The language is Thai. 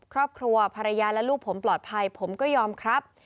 ครอบครัวภรรยาและลูกผมปลอดภัยผมก็ยอมครับ